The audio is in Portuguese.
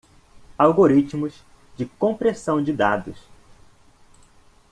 Algoritmos de compressão de dados.